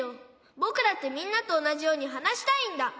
ぼくだってみんなとおなじようにはなしたいんだ！